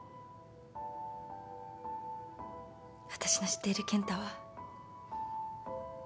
私の知っている健太は。